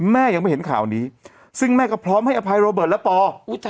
แม่ยังไม่เห็นข่าวนี้ซึ่งแม่ก็พร้อมให้อภัยโรเบิร์ตและปอ